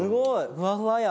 ふわふわや！